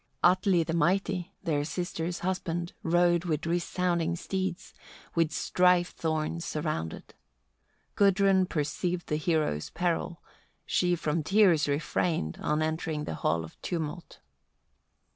29. Atli the mighty, their sister's husband, rode with resounding steeds, with strife thorns surrounded. Gudrun perceived the heroes' peril, she from tears refrained, on entering the hall of tumult.